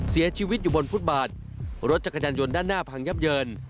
เสียชีวิตอยู่บนฟุตบาทรถจักรยานยนต์ด้านหน้าพังยับเยิน